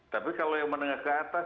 tapi kalau yang menengah ke atas